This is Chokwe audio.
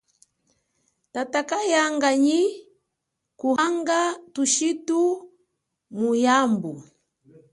Tata kayanga nyi kuhanga thushitu muyambu.